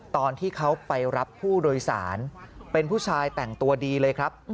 ตอนที่เขาไปรับผู้โดยสารเป็นผู้ชายแต่งตัวดีเลยครับ